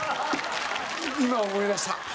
今思い出した。